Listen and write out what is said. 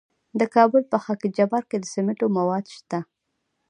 د کابل په خاک جبار کې د سمنټو مواد شته.